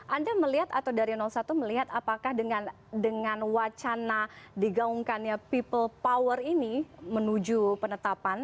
anda melihat atau dari satu melihat apakah dengan wacana digaungkannya people power ini menuju penetapan